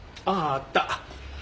あった。